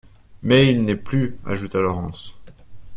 Mais il n'est plus, ajouta Laurence.